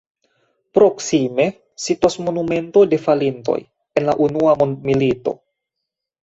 Proksime situas monumento de falintoj en la unua mondmilito.